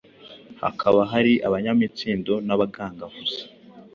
hakaba hari abanyamitsindo na abagangahuzi,